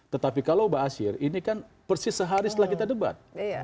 tetapi kalau mbak asyir ini kan persis sehari setelah kita debat